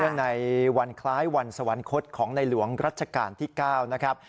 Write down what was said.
ในวันคล้ายวันสวรรคตของในหลวงรัชกาลที่๙นะครับ